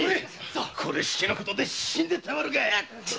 これしきで死んでたまるか！